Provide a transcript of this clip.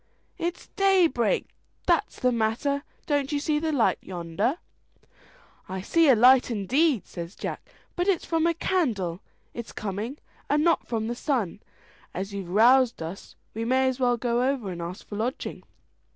"It's daybreak that's the matter: don't you see light yonder?" "I see a light indeed," says Jack, "but it's from a candle it's coming, and not from the sun. As you've roused us we may as well go over, and ask for lodging."